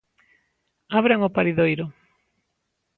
Abran o paridoiro.